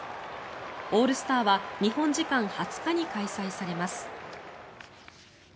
オールスターは日本時間２０日に開催されます。